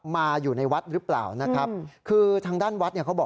แต่ว่ามีปีกแล้วก็มีหางยาวเนี่ยนะครับ